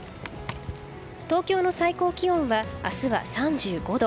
東京の最高気温は明日は３５度。